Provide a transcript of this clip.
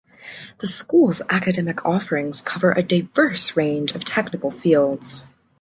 The school's academic offerings cover a diverse range of technical fields.